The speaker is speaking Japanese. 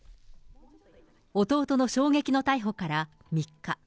弟の衝撃の逮捕から３日。